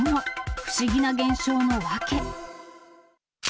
不思議な現象の訳。